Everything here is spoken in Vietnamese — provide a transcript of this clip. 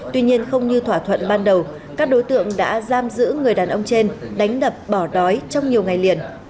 tuy nhiên không như thỏa thuận ban đầu các đối tượng đã giam giữ người đàn ông trên đánh đập bỏ đói trong nhiều ngày liền